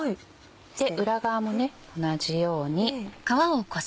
で裏側も同じように。